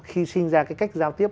khi sinh ra cái cách giao tiếp